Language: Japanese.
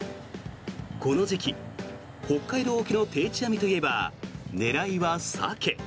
この時期、北海道沖の定置網といえば狙いはサケ。